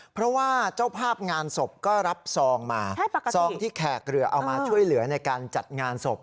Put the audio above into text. เพราะว่าเจ้าภาพงานศพก็รับซองมาซองที่แขกเรือเอามาช่วยเหลือในการจัดงานศพ